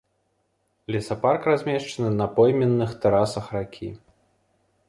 Лесапарк размешчаны на пойменных тэрасах ракі.